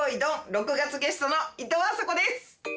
６がつゲストのいとうあさこです！